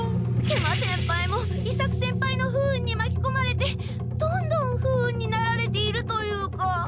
食満先輩も伊作先輩の不運にまきこまれてどんどん不運になられているというか。